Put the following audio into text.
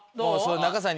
仲さんに。